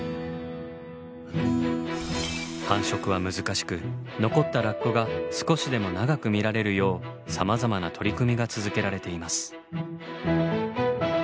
繁殖は難しく残ったラッコが少しでも長く見られるようさまざまな取り組みが続けられています。